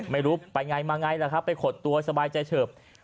ไม่รู้ไปยังไงมาไงทีไปขดตัวสบายใจเฉียบ